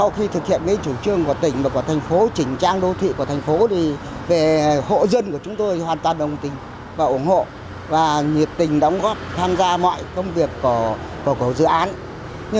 khi thực hiện chủ trương của tỉnh và của thành phố chỉnh trang đô thị của thành phố hộ dân của chúng tôi hoàn toàn đồng tình và ủng hộ và nhiệt tình đóng góp tham gia mọi công việc của dự án